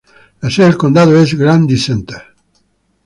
La sede del condado es Grundy Center.